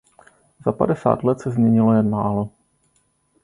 Za padesát let se změnilo jen málo.